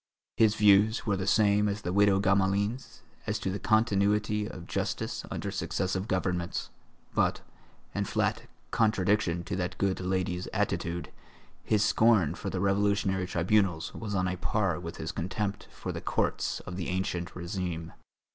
His views were the same as the widow Gamelin's as to the continuity of justice under successive governments; but, in flat contradiction to that good lady's attitude, his scorn for the Revolutionary Tribunals was on a par with his contempt for the courts of the ancien régime.